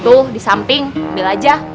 tuh disamping ambil aja